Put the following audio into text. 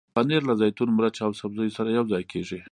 پنېر له زیتون، مرچ او سبزیو سره یوځای کېږي.